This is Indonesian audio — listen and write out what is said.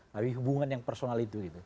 lebih hubungan yang personal itu